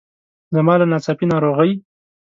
زما له ناڅاپي ناروغۍ.